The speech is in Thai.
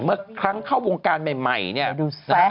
เมื่อครั้งเข้าวงการใหม่เนี่ยดูสิ